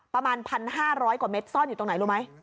ประมาณ๑๕๐๐กว่าเม็ดซ่อนอยู่ตรงไหนรู้ไหม